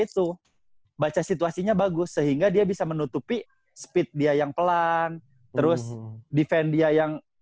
itu baca situasinya bagus sehingga dia bisa menutupi speed dia yang pelan terus defen dia yang